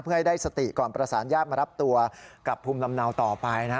เพื่อให้ได้สติก่อนประสานญาติมารับตัวกลับภูมิลำเนาต่อไปนะ